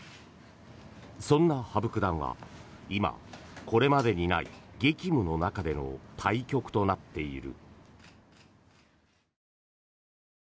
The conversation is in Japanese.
そんな羽生九段は今これまでにない激務の中での対局となっている。